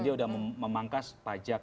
dia sudah memangkas pajak